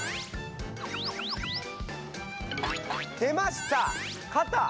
出ました！